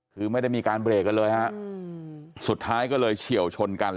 คือไม่ได้มีการเบรกกันเลยฮะสุดท้ายก็เลยเฉียวชนกัน